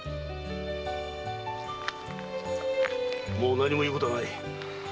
もう何も言うことはない。